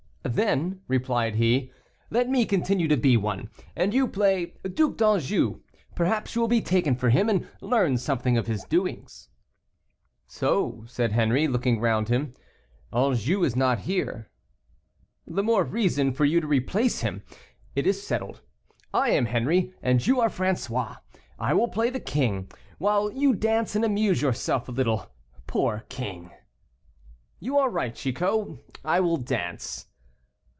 "Then," replied he, "let me continue to be one, and you play Duc d'Anjou; perhaps you will be taken for him, and learn something of his doings." "So," said Henri, looking round him, "Anjou is not here." "The more reason for you to replace him. It is settled, I am Henri, and you are François. I will play the king, while you dance and amuse yourself a little, poor king." "You are right, Chicot, I will dance."